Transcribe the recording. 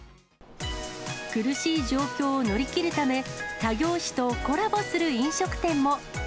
苦しい状況を乗り切るため、他業種とコラボする飲食店も。